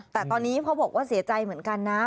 แต่ตอนนี้พ่อบอกว่าเสียใจเหมือนกันนะ